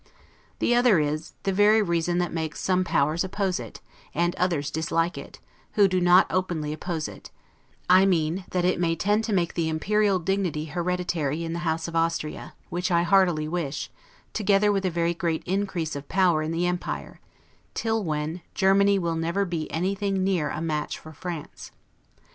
The other is, the very reason that makes some powers oppose it, and others dislike it, who do not openly oppose it; I mean, that it may tend to make the imperial dignity hereditary in the House of Austria; which I heartily wish, together with a very great increase of power in the empire: till when, Germany will never be anything near a match for France.